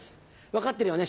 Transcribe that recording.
分かってるよね？